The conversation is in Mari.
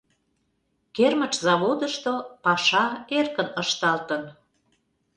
Кермыч заводышто паша эркын ышталтын.